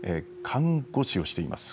看護師をしています。